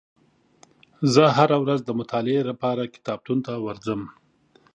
زه هره ورځ د مطالعې لپاره کتابتون ته ورځم.